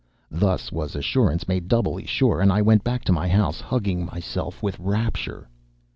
Thus was assurance made doubly sure, and I went back to my house hugging myself with rapture.